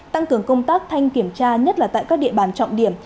tăng cường công tác thanh kiểm tra nhất là tại các địa bàn trọng điểm